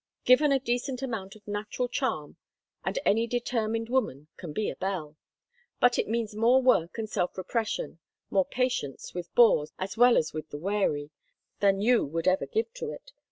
Given a decent amount of natural charm, and any determined woman can be a belle. But it means more work and self repression, more patience with bores as well as with the wary, than you would ever give to it.